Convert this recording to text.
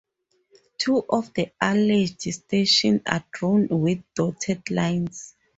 Two of the alleged stations are drawn with dotted lines.